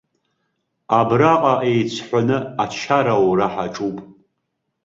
Абраҟа еиҵҳәаны ачара аура ҳаҿуп!